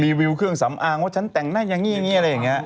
รีวิวเครื่องสำอางว่าฉันแต่งหน้าอย่างเงี้ยอะไรอย่างเงี้ย